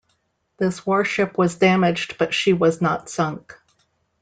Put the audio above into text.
This warship was damaged, but she was not sunk.